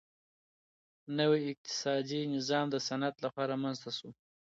نوی اقتصادي نظام د صنعت لخوا رامنځته سو.